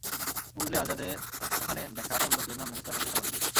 বুঝলে, আজ রাতে ওখানে দেখা সব লোকের নাম মুখস্ত রাখার চেষ্টা করবে।